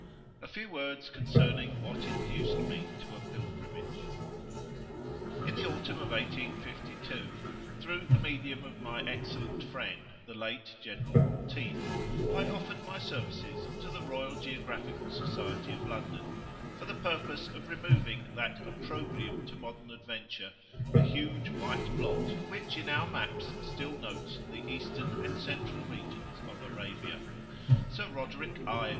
A few Words concerning what induced me to a Pilgrimage. IN the autumn of 1852, through the medium of my excellent friend, the late General Monteith, I offered my services to the Royal Geographical Society of London, for the purpose of removing that opprobrium to modern adventure, the huge white blot which in our maps still notes the Eastern and the Central regions of Arabia. Sir Roderick I.